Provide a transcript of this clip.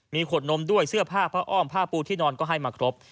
มีขวดนมด้วยเสื้อผ้าผ้าอ้อมผ้าปูที่นอนก็ให้มาครบ